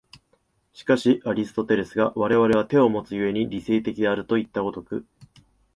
しかしアリストテレスが我々は手をもつ故に理性的であるといった如く